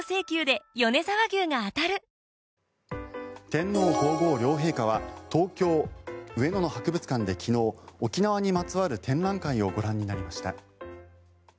天皇・皇后両陛下は東京・上野の博物館で昨日沖縄にまつわる展覧会をご覧になりました。